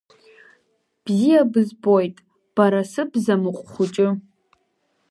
Бзиа бызбоит, бара сыбзамыҟә хәыҷы.